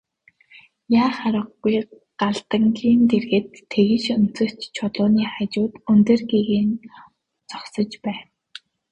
Яах аргагүй Галдангийн дэргэд тэгш өнцөгт чулууны хажууд өндөр гэгээн зогсож байв.